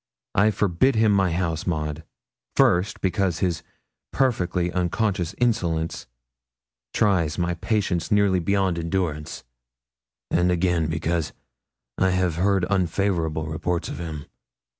'I've forbid him my house, Maud first, because his perfectly unconscious insolence tries my patience nearly beyond endurance; and again, because I have heard unfavourable reports of him.